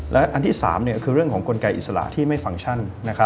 และอันที่๓คือเรื่องของกลไกอิสระที่ไม่ฟังก์ชั่น